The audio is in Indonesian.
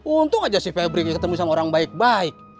untung saja sih febri ketemu orang baik baik